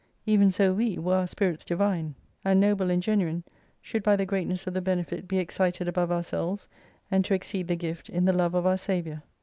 Even so we, were our spirits Divine, and noble, and genuine, should by the greatness of the benefit be excited above ourselves, and to exceed the gift, in the Love of our Saviour.